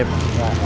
terima kasih bro